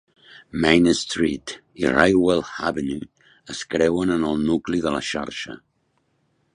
Main Street i Railway Avenue es creuen en el nucli de la xarxa.